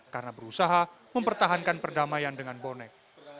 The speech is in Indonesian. karena berusaha mempertahankan perdamaian dengan bonek